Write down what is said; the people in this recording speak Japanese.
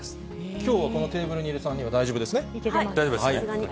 きょうはこのテーブルにいる大丈夫ですね。